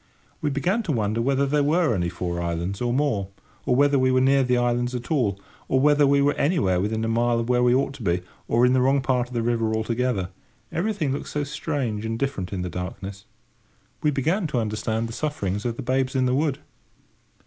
We began to wonder whether there were only four islands or more, or whether we were near the islands at all, or whether we were anywhere within a mile of where we ought to be, or in the wrong part of the river altogether; everything looked so strange and different in the darkness. We began to understand the sufferings of the Babes in the Wood.